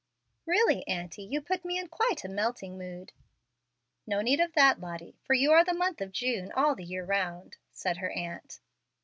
"Really, auntie, you put me in quite a melting mood." "No need of that, Lottie, for you are the month of June all the year round," said her aunt.